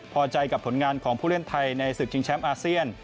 พอใจกับผลงานของผู้เล่นไทยในศึกชิงแชมป์อาเซียน